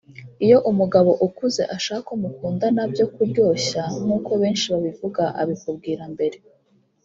Iyo umugabo ukuze ashaka ko mukundana byo kuryoshya nkuko benshi babivuga abikubwira mbere